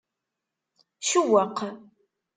Cewweq.